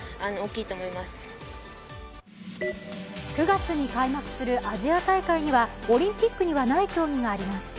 ９月に開幕するアジア大会にはオリンピックにはない競技があります。